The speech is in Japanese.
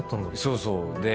そうそう。